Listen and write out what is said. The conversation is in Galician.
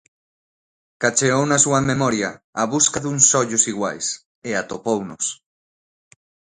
Cacheou na súa memoria á busca duns ollos iguais e atopounos.